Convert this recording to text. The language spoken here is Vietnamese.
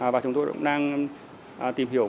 và chúng tôi cũng đang tìm hiểu